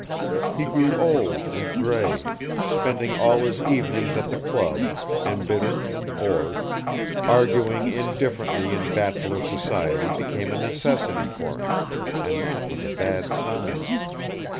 He grew old and grey, spending all his evenings at the club, embittered and bored arguing indifferently in bachelor society became a necessity for him, and that was a bad sign.